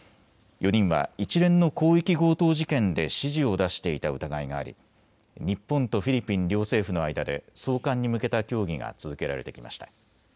４人は一連の広域強盗事件で指示を出していた疑いがあり日本とフィリピン両政府の間で送還に向けた協議が続けられてきました。